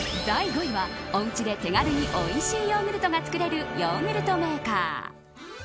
第５位は、おうちで手軽においしいヨーグルトが作れるヨーグルトメーカー。